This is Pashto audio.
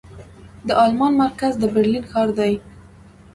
د المان مرکز د برلين ښار دې.